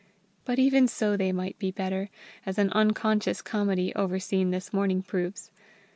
But even so they might be better, as an unconscious comedy over seen this morning proves.